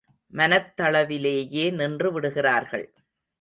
மனத்தளவிலேயே நின்று விடுகிறார்கள்.